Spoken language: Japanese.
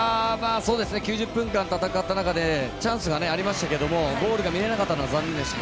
９０分戦った中でチャンスはありましたけれど、ゴールが見れなかったのは残念でした。